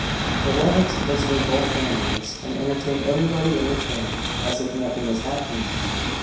The Levitts visited both families, and entertained everybody in return, as if nothing was happening.